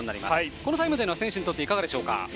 このタイムは、選手にとっていかがでしょうか？